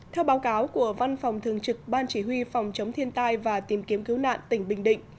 theo báo cáo của văn phòng thường trực ban chỉ huy phòng chống thiên tai và tìm kiếm cứu nạn tỉnh bình định